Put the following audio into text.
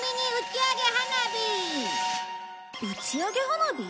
打ち上げ花火？